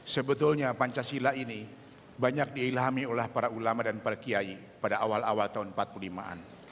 sebetulnya pancasila ini banyak diilhami oleh para ulama dan parikiai pada awal awal tahun empat puluh lima an